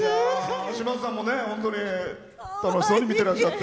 島津さんも楽しそうに見てらっしゃって。